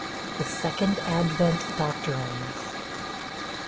THE SECOND ADVENT DOCTRINES.